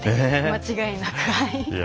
間違いなくはい。